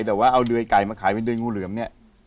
แต่ว่าเอาเดือยไก่มาขายเป็นเดยงูเหลือมเนี่ย